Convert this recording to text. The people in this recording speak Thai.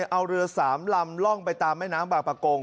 เอาเรือ๓ลำล่องไปตามแม่น้ำบางประกง